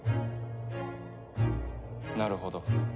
なるほど。